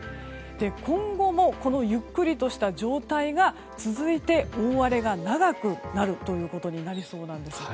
今後もこのゆっくりとした状態が続いて大荒れが長くなるということになりそうなんです。